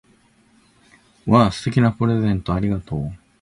わぁ！素敵なプレゼントをありがとう！